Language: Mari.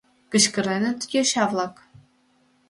— кычкыреныт йоча-влак.